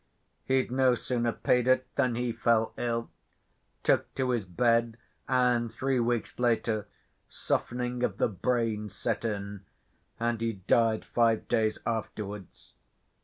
He'd no sooner paid it than he fell ill, took to his bed, and, three weeks later, softening of the brain set in, and he died five days afterwards.